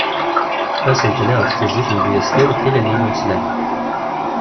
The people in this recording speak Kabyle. Asentel iɣef tettezzi tmedyezt-iw d tilelli n umeslay.